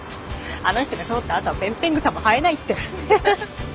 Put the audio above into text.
あの人が通ったあとはぺんぺん草も生えないって。